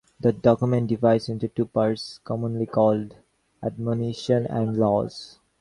The document divides into two parts, commonly called "Admonition" and "Laws".